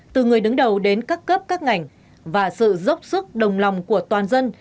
từ người đứng đầu đến các cấp các ngành và sự dốc sức đồng lòng của toàn dân